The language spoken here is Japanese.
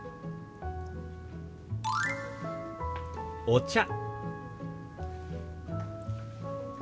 「お茶」。